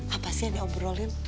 apa sih yang diobrolin